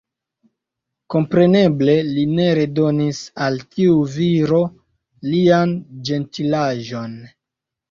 Kompreneble li ne redonis al tiu viro lian ĝentilaĵon.